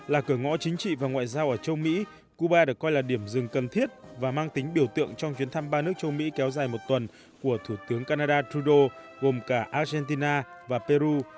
là cửa ngõ chính trị và ngoại giao ở châu mỹ cuba được coi là điểm dừng cần thiết và mang tính biểu tượng trong chuyến thăm ba nước châu mỹ kéo dài một tuần của thủ tướng canada trudeau gồm cả argentina và peru